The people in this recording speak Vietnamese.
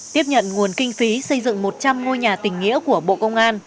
tiếp nhận nguồn kinh phí xây dựng một trăm linh ngôi nhà tình nghĩa của bộ công an